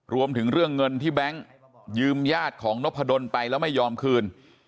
รวมถึงเรื่องเงินที่แบงค์ยืมญาติของนพดลไปแล้วไม่ยอมคืน